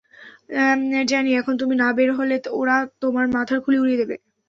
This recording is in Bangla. ড্যানি, এখন তুমি না বের হলে ওরা তোমার মাথার খুলি উড়িয়ে দেবে।